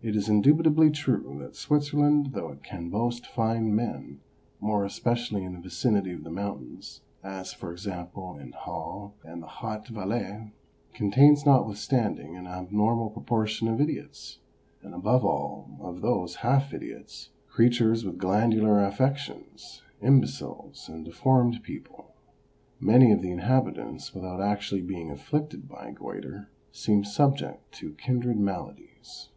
It is indubitably true that Switzerland, though it can boast fine men, more especially in the vicinity of the mountains, as, for example, in Hasle and the Haut Valais, contains notwithstanding an abnormal proportion of idiots, and above all of those half idiots, creatures with glandular affections, imbeciles and deformed people. Many of the inhabitants, without actually being afflicted by goitre, seem subject to kindred maladies.